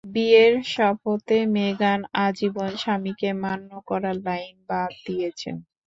বিয়ের শপথে মেগান আজীবন স্বামীকে মান্য করার লাইন বাদ দিয়েছেন।